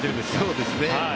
そうですね。